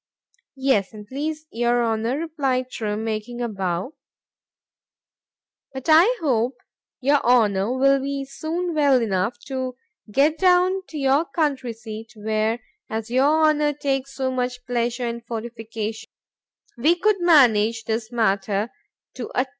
——Yes, an' please your Honour, replied Trim, making a bow; but I hope your Honour will be soon well enough to get down to your country seat, where,—as your Honour takes so much pleasure in fortification, we could manage this matter to a T.